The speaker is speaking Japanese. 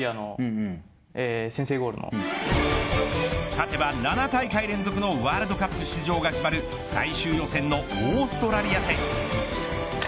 勝てば７大会連続のワールドカップ出場が決まる最終予選のオーストラリア戦。